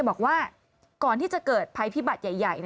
บอกว่าก่อนที่จะเกิดภัยพิบัติใหญ่